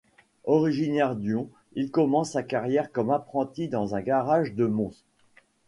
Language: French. Originaire d'Hyon, il commence sa carrière comme apprenti dans un garage de Mons.